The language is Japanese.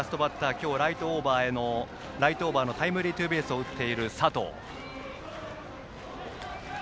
今日、ライトオーバーのタイムリーツーベースを打っている佐藤。